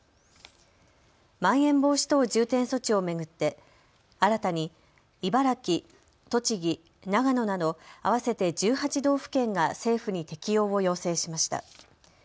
まん延防止等重点措置を巡って新たに茨城、栃木、長野など合わせて１８道府県が政府に適用を要請しました。